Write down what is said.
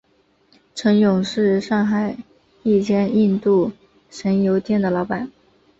程勇是上海一间印度神油店的老板。